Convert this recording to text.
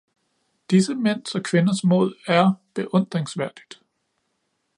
Disse mænds og kvinders mod er beundringsværdigt.